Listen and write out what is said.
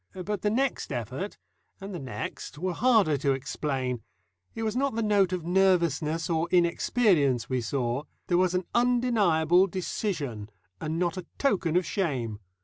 But the next effort and the next were harder to explain. It was not the note of nervousness or inexperience we saw; there was an undeniable decision, and not a token of shame.